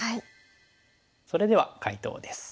それでは解答です。